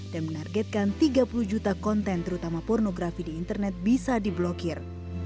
dan menargetkan tiga puluh juta konten terutama pornografi di internet bisa diblokir